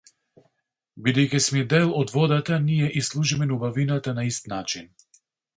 Бидејќи сме дел од водата, ние ѝ служиме на убавината на ист начин.